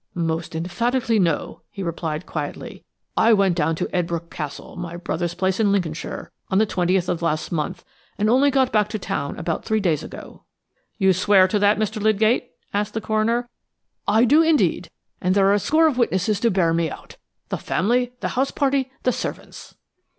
"Most emphatically no," he replied quietly. "I went down to Edbrooke Castle, my brother's place in Lincolnshire, on the 20th of last month, and only got back to town about three days ago." "You swear to that, Mr. Lydgate?" asked the coroner. "I do, indeed, and there are a score of witnesses to bear me out. The family, the house party, the servants."